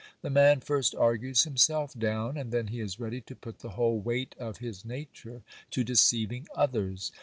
The man first argues himself down, and then he is ready to put the whole weight of his nature to deceiving others.